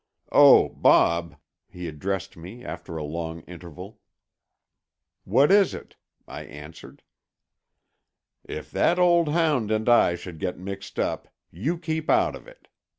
"Oh, Bob," he addressed me after a long interval. "What is it?" I answered. "If that old hound and I should get mixed up, you keep out of it.